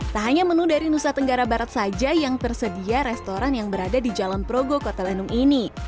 tak hanya menu dari nusa tenggara barat saja yang tersedia restoran yang berada di jalan progo kota lenung ini